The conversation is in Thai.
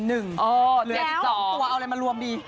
เหลือ๑๒ตัวเอาอะไรมารวมดี